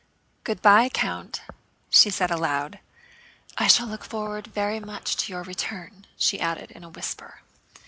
"Good by, Count," she said aloud. "I shall look forward very much to your return," she added in a whisper.